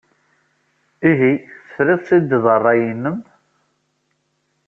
Ihi, tefrid-tt-id ed ṛṛay-nnem?